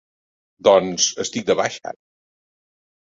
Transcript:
Doncs estic de baixa ara.